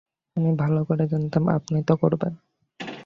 আমি ভালো করেই জানতাম আপনি তা করবেন।